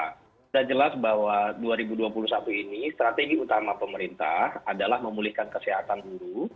sudah jelas bahwa dua ribu dua puluh satu ini strategi utama pemerintah adalah memulihkan kesehatan guru